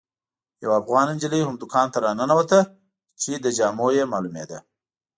یوه افغانه نجلۍ هم دوکان ته راننوته چې له جامو یې معلومېده.